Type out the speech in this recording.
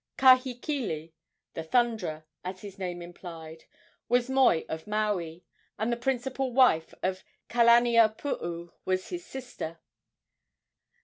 Kahekili, "the thunderer," as his name implied, was moi of Maui, and the principal wife of Kalaniopuu was his sister.